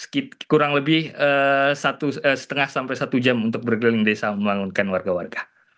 kurang lebih setengah sampai satu jam untuk berkeliling desa membangunkan warga warga